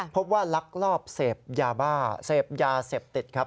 พบว่าลักลอบเสพยาเสพติดครับ